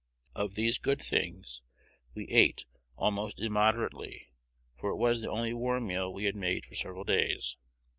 Of these good things we ate almost immoderately, for it was the only warm meal we had made for several days.